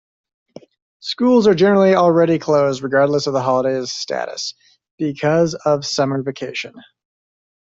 Schools are generally already closed, regardless of the holiday's status, because of summer vacation.